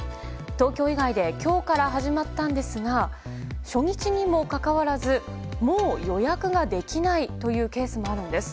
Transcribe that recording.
東京以外で今日から始まったんですが初日にもかかわらずもう予約ができないというケースもあるんです。